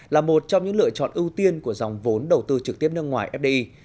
là một trong những lựa chọn ưu tiên của dòng vốn đầu tư trực tiếp nước ngoài fdi